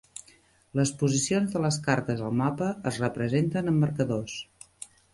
Les posicions de les cartes al mapa es representen amb marcadors.